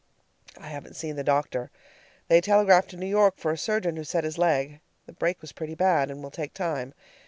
I haven't seen the doctor. They telegraphed to New York for a surgeon, who set his leg. The break was pretty bad, and will take time.